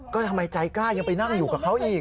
ก็ทำไมใจกล้ายังไปนั่งอยู่กับเขาอีก